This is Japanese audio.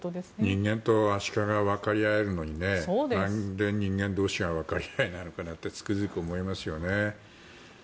人間とアシカが分かり合えるのに、何で人間同士は分かり合えないのかなとつくづく思いますよね。